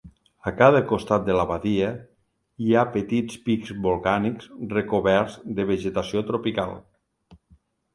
A cada costat de la badia hi ha petits pics volcànics recoberts de vegetació tropical.